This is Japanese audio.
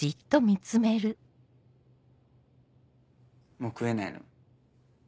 もう食えないの？